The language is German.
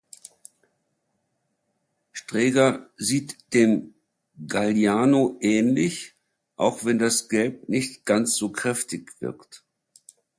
Strega sieht dem Galliano ähnlich, auch wenn das Gelb nicht ganz so kräftig wirkt.